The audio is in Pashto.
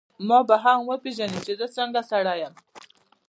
ما به هم وپېژنې چي زه څنګه سړی یم.